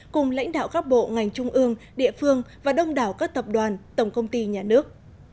cùng lãnh đạo các bộ ngành trung ương địa phương và đông đảo các tập đoàn tổng công ty nhà nước